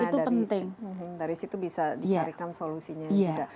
karena dari situ bisa dicarikan solusinya juga